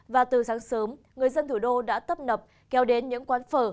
và từ sáng sớm người dân thủ đô đã tấp nập kéo đến những quán phở